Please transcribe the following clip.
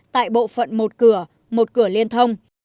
tại bộ phận một cửa một cửa liên thông